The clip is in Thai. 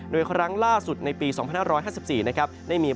โดยครั้งล่าสุดในปี๒๕๕๔นะครับ